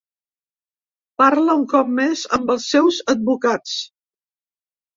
Parla, un cop més, amb els seus advocats.